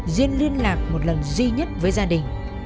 duyên liên lạc một lần duy nhất với gia đình